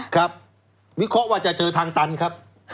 วิเคราะห์ว่าจะเจอทางตันครับ